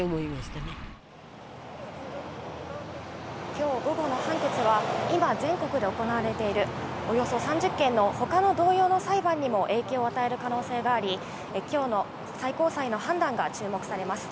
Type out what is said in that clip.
今日午後の判決は今、全国で行われている、およそ３０件の他の同様の裁判にも影響を与える可能性があり、今日の最高裁の判断が注目されます。